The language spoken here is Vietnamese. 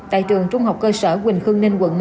tại trường trung học cơ sở quỳnh khương ninh quận một